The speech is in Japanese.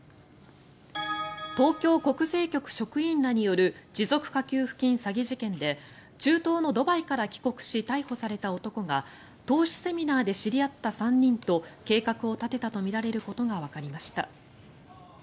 東京国税局職員らによる持続化給付金詐欺事件で中東のドバイから帰国し逮捕された男が投資セミナーで知り合った３人と計画を立てたとみられることがわかりました。